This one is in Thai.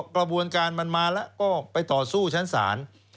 กระบวนการมันมาแล้วก็ไปต่อสู้ชั้นศาล